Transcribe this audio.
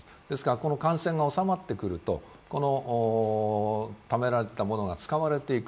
この感染が収まってくると、ためられていたものが使われていく